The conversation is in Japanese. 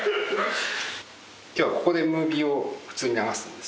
今日はここでムービーを普通に流すんです。